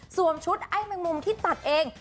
ชุดไอ้แมงมุมที่ตัดเอง